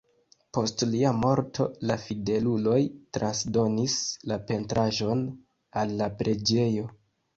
Post lia morto la fideluloj transdonis la pentraĵon al la preĝejo.